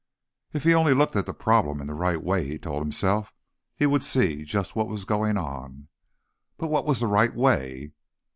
If he only looked at the problem in the right way, he told himself, he would see just what was going on. But what was the right way?